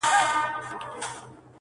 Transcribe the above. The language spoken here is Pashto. دا نو ژوند سو درد یې پرېږده او یار باسه.